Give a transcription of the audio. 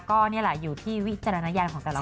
ก็นี่แหละอยู่ที่วิจารณญาณของแต่ละคน